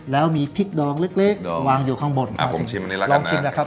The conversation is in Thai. แล้วมีพริกน้องเล็กเล็กวางอยู่ข้างบนค่ะผมชิมอันนี้ละครับนะลองชิมแรกครับ